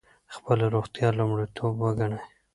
خپله روغتیا لومړیتوب وګڼئ.